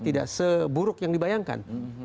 tidak seburuk yang dibayangkan